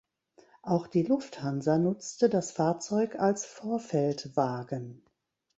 Auch die Lufthansa nutzte das Fahrzeug als Vorfeldwagen.